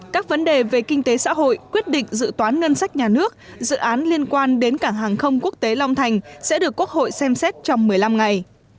các vấn đề về kinh tế xã hội quyết định dự toán ngân sách nhà nước dự án liên quan đến cảng hàng không quốc tế long thành sẽ được quốc hội xem xét trong một mươi năm ngày